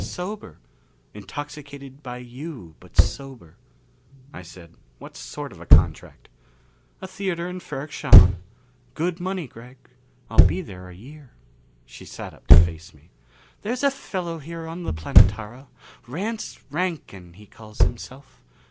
Sober. Intoxicated by you, but sober." I said, "What sort of a contract?" "A theater in Ferrok Shahn. Good money, Gregg. I'll be there a year." She sat up to face me. "There's a fellow here on the Planetara, Rance Rankin, he calls himself.